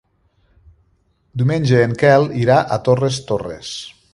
Diumenge en Quel irà a Torres Torres.